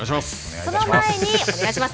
その前に、お願いします。